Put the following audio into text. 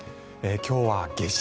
今日は夏至。